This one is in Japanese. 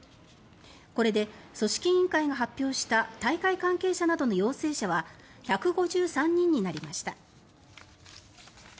これで組織委員会が発表した大会関係者などの陽性者は１５３人になりました。